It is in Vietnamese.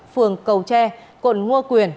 phường cầu tre quận ngo quyền